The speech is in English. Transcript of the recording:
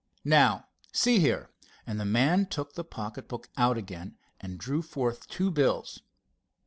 Now, see here," and the man took the pocket book out again and drew forth two bills.